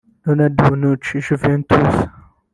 Leonardo Bonuci (Juventus)